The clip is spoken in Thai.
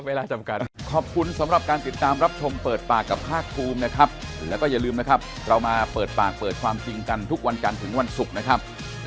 วันนี้ขอบคุณจริงครับขอบคุณครับคุณวิทยาครับขอบคุณครับ